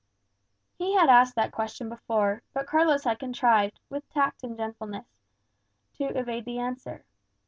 He had asked that question before; but Carlos had contrived, with tact and gentleness, to evade the answer.